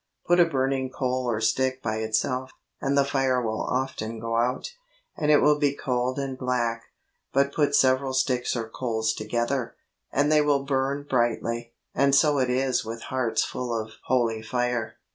Put a burning coal or stick by itself, and the fire will often go out, and it will be cold and black ; but put several sticks or coals together, and they will burn brightly. And so it is with hearts full of holy fire.